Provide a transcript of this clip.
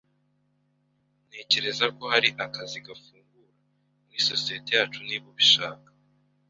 Ntekereza ko hari akazi gafungura muri sosiyete yacu, niba ubishaka.